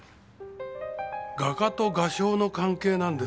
画家と画商の関係なんですが。